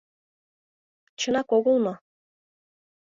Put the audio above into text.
Чынак огыл мо?